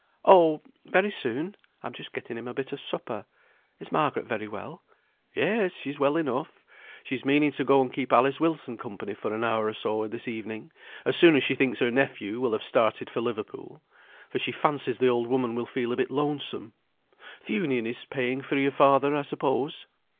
"Oh! very soon. I'm just getting him a bit of supper. Is Margaret very well?" "Yes, she's well enough. She's meaning to go and keep Alice Wilson company for an hour or so this evening; as soon as she thinks her nephew will have started for Liverpool; for she fancies the old woman will feel a bit lonesome. Th' Union is paying for your father, I suppose?"